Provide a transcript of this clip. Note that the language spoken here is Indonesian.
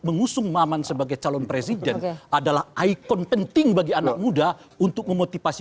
mengusung maman sebagai calon presiden adalah ikon penting bagi anak muda untuk memotivasi